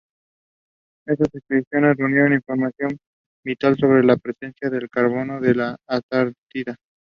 Estas expediciones reunieron información vital sobre la presencia de carbón en la Antártida.